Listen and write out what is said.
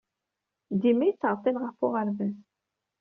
Dima yettɛeḍḍil ɣef uɣerbaz.